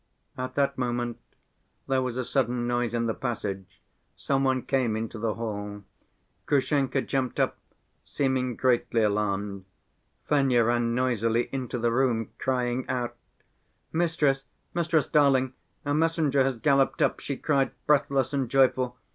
At that moment there was a sudden noise in the passage, some one came into the hall. Grushenka jumped up, seeming greatly alarmed. Fenya ran noisily into the room, crying out: "Mistress, mistress darling, a messenger has galloped up," she cried, breathless and joyful.